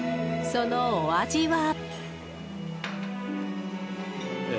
そのお味は。